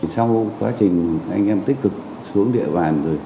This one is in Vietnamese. sau quá trình anh em tích cực xuống địa bàn rồi